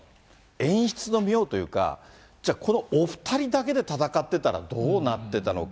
演出の妙というか、じゃあ、このお２人だけで戦ってたらどうなってたのか。